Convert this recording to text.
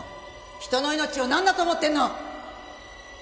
人の命をなんだと思ってるの！？